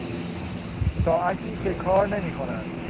ساعتی که کار نمیکند